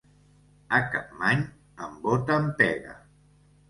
A Capmany emboten pega.